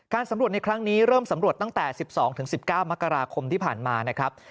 สำรวจในครั้งนี้เริ่มสำรวจตั้งแต่๑๒๑๙มกราคมที่ผ่านมานะครับ